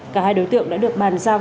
cả hai đối tượng đã được bàn giao